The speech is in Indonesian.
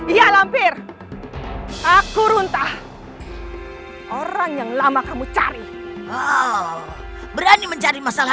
ya lampir aku runtah orang yang lama kamu cari berani mencari masalah